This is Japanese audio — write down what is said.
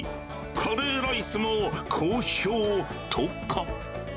カレーライスも好評とか。